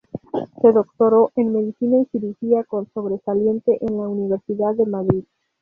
Se doctoró en Medicina y Cirugía con sobresaliente en la Universidad de Madrid.